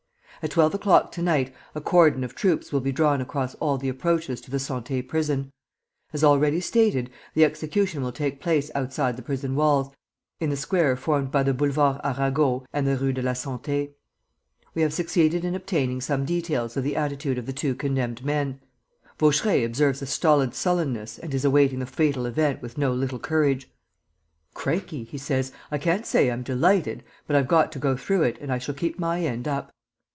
At twelve o'clock to night a cordon of troops will be drawn across all the approaches to the Santé Prison. As already stated, the execution will take place outside the prison walls, in the square formed by the Boulevard Arago and the Rue de la Santé. "We have succeeded in obtaining some details of the attitude of the two condemned men. Vaucheray observes a stolid sullenness and is awaiting the fatal event with no little courage: "'Crikey,' he says, 'I can't say I'm delighted; but I've got to go through it and I shall keep my end up.